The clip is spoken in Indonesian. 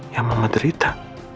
yang mama derita